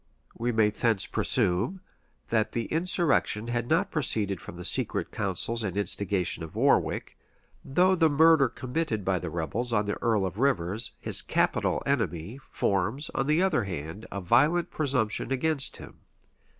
We may thence presume, that the insurrection had not proceeded from the secret counsels and instigation of Warwick; though the murder committed by the rebels on the earl of Rivers, his capital enemy, forms, on the other hand, a violent presumption against him.